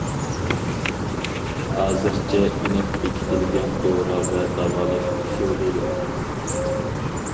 ھازىرچە ئېنىق بېكىتىلگەن دورا ۋە داۋالاش ئۇسۇلى يوق.